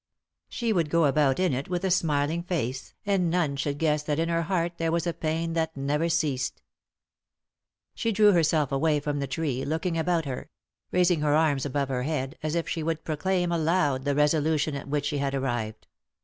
She would go about in it with a smiling face, and none should guess that in her heart there was a pain that never ceased. She drew herself away from the tree, looking about her— raising her arms above her head, as if she would proclaim aloud the resolution at which she had arrived.